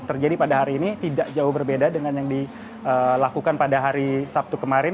terjadi pada hari ini tidak jauh berbeda dengan yang dilakukan pada hari sabtu kemarin